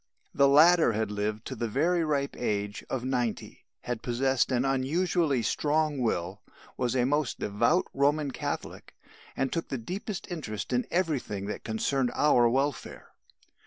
The latter had lived to the very ripe age of ninety, had possessed an unusually strong will, was a most devout Roman Catholic, and took the deepest interest in everything that concerned our welfare.